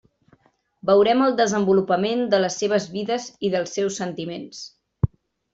Veurem el desenvolupament de les seves vides i dels seus sentiments.